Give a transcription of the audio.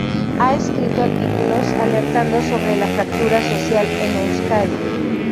Ha escrito artículos alertando sobre la fractura social en Euskadi.